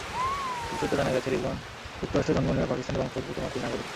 Police সূত্রে জানা গেছে, রিজওয়ান যুক্তরাষ্ট্রে জন্ম নেওয়া পাকিস্তানি বংশোদ্ভূত মার্কিন নাগরিক।